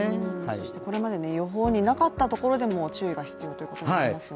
そしてこれまで予報になかったところでも注意が必要ということですよね。